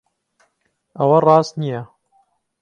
ئەوە ڕاست نییە.